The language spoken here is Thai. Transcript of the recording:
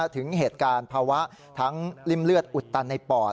ถึงเหตุการณ์ภาวะทั้งริ่มเลือดอุดตันในปอด